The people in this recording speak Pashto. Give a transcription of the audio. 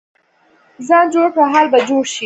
ځان جوړ کړه، حال به جوړ شي.